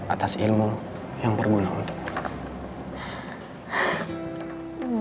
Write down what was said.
atas ilmu yang berguna untukku